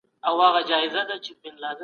د دلارام په شېلې کي تېر کال سېلاب راغلی و.